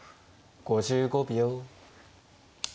５５秒。